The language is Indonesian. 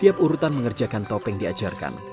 tiap urutan mengerjakan topeng diajarkan